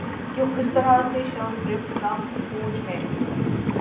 کیونکہ اس طرح سے شعور گرفت کم ہو ج ہے